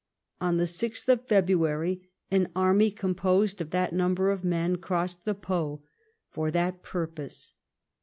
On the Gtli I'cbruary an army composed of that number of men crossed the Po for that ])ur])()se.